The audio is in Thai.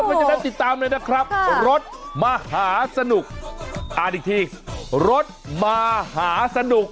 เพราะฉะนั้นติดตามเลยนะครับรถมหาสนุกอ่านอีกทีรถมหาสนุก